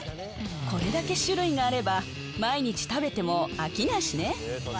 これだけ種類があれば毎日食べても飽きないしね。